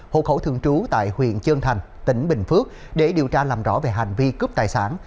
hộ khẩu thường trú tại huyện trân thành tỉnh bình phước để điều tra làm rõ về hành vi cướp tài sản